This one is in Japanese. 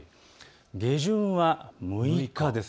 下旬は６日です。